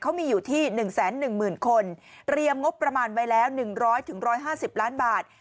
เขามีอยู่ที่๑๑๐๐๐คนเตรียมงบประมาณไว้แล้ว๑๐๐๑๕๐ล้านบาท